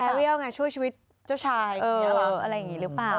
แอเรียลไงช่วยชีวิตเจ้าชายอย่างนี้หรือเปล่า